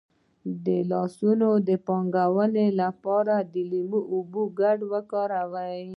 د لاسونو د پاکوالي لپاره د لیمو او اوبو ګډول وکاروئ